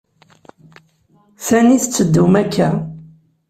Sani tetteddum akk-a?